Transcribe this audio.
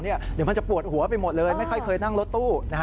เดี๋ยวมันจะปวดหัวไปหมดเลยไม่ค่อยเคยนั่งรถตู้